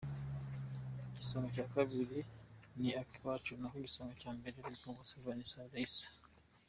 Igisonga cya Kabiri ni Akacu Lynca naho igisonga cya mbere ni Uwase Vanessa Raissa.